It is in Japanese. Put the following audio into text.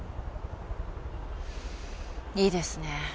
いいですね。